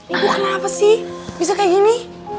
ibu kenapa sih bisa kayak gini